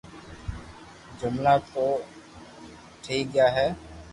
جملا بو ٺئي گيا ھي